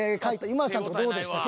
今田さんとかどうでした？